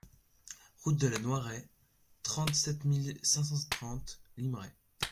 Route de la Noiraie, trente-sept mille cinq cent trente Limeray